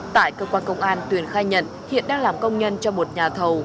tại cơ quan công an tuyền khai nhận hiện đang làm công nhân cho một nhà thầu